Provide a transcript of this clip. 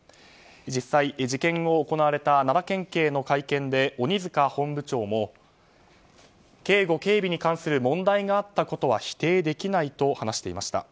実際、事件後行われた奈良県警の会見で鬼塚本部長も警護・警備に関する問題があったことは否定できないと話していました。